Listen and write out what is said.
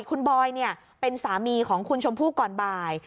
คุณบอยเป็นสามีของคุณชมพู่ก่อนบ่าย